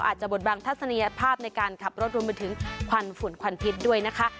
อาจจะบ่ดบางทัศนีภาพในการขับรถรวมไปถึงฝนฝนฟิตด้วยนะคะ